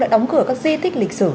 đã đóng cửa các di tích lịch sử